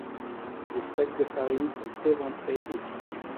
Des sacs de farine sont éventrés et pillés.